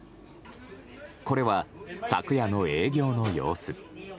これは昨夜の営業の様子。